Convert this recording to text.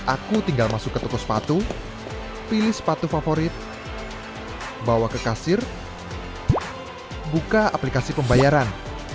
aku tinggal masuk ke toko sepatu pilih sepatu favorit bawa ke kasir wah buka aplikasi pembayaran